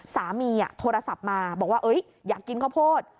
สามีโทรศัพท์มาบอกว่าอยากกินข้าวโพด